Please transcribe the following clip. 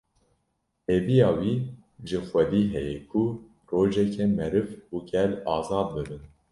Hêviya wî ji Xwedî heye ku rojeke meriv û gel azad bibin